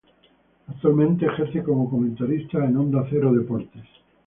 Actualmente ejerce como comentarista en Onda Cero Deportes.